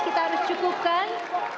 kita harus cukupkan